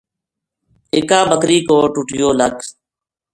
اِکا بکری کو ٹُٹیو لَک